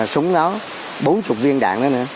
súng nó bốn mươi viên đạn nữa nữa